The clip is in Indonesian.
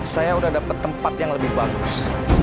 saya udah dapat tempat yang lebih bagus